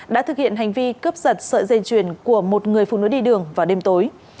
đã thực hiện hành vi cướp giật sợi dây chuyền của một người phụ nữ đi đường vào đêm tối